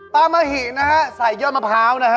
ปลามะหินะฮะใส่ยอดมะพร้าวนะฮะ